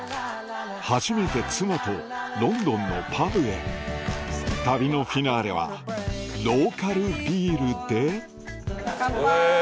初めて妻とロンドンのパブへ旅のフィナーレはローカルビールでカンパイ。